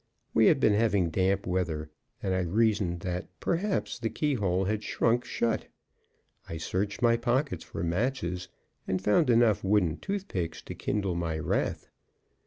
We had been having damp weather, and I reasoned that perhaps the key hole had shrunk shut. I searched my pockets for matches, and found enough wooden toothpicks to kindle my wrath.